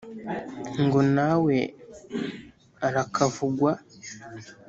ngo nawe arakavugwa